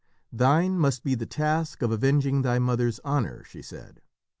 "Thine must be the task of avenging thy mother's honour," she said.